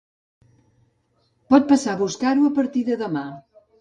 Pot passar a buscar-ho a partir de demà.